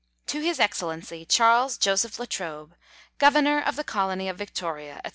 To His Excellency Charles Joseph La Trobe, Governor of the Colony of Victoria, &c.